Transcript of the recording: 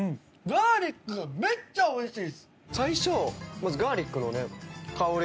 ガーリックがめっちゃおいしい。